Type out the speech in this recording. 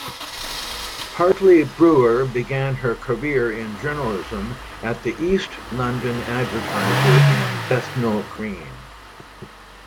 Hartley-Brewer began her career in journalism at the "East London Advertiser" in Bethnal Green.